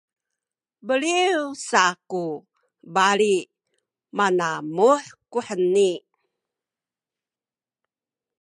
beliw sa ku bali manamuh kuheni